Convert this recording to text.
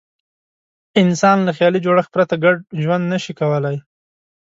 انسان له خیالي جوړښت پرته ګډ ژوند نه شي کولای.